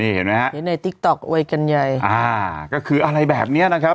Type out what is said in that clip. เห็นไหมฮะก็คืออะไรแบบเนี่ยนะครับ